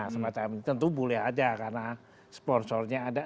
semacam tentu boleh ada karena sponsornya ada